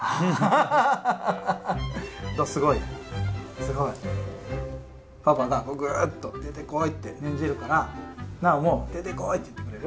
すごい？パパがぐっと出てこいって念じるから尚も「出てこい」って言ってくれる？